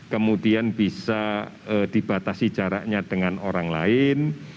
kemudian bisa dibatasi jaraknya dengan orang lain